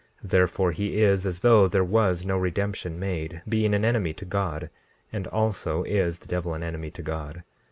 Therefore, he is as though there was no redemption made, being an enemy to God; and also is the devil an enemy to God.